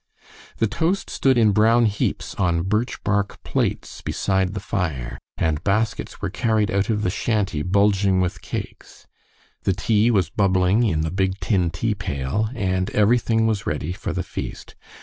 The toast stood in brown heaps on birch bark plates beside the fire, and baskets were carried out of the shanty bulging with cakes; the tea was bubbling in the big tin tea pail, and everything was ready for the feast.